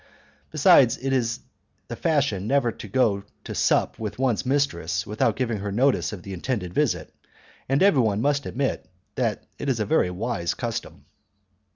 Besides, it is the fashion never to go to sup with one's mistress without giving her notice of the intended visit, and everyone must admit that it is a very wise custom.